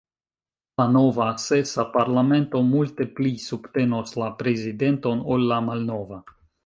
La nova, sesa, parlamento multe pli subtenos la prezidenton ol la malnova.